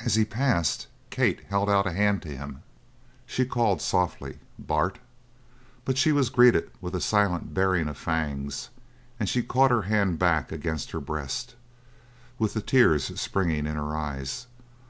As he passed, Kate held out a hand to him. She called softly: "Bart!" but she was greeted with a silent baring of fangs; and she caught her hand back against her breast, with the tears springing in her eyes.